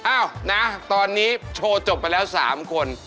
อ้าวนะตอนนี้โชว์จบไปแล้ว๓คน